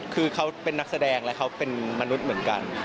คือเขาเป็นนักแสดงและเขาเป็นมนุษย์เหมือนกัน